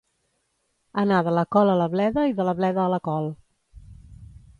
Anar de la col a la bleda i de la bleda a la col.